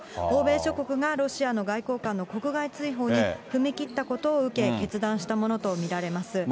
欧米諸国がロシアの外交官の国外追放に踏み切ったことを受け、決断したものと見られます。